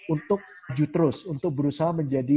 untuk jujur terus untuk berusaha menjadi